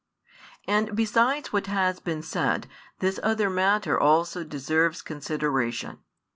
And besides what has been said, this other matter also deserves consideration.